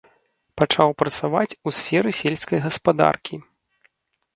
Пачаў працаваць у сферы сельскай гаспадаркі.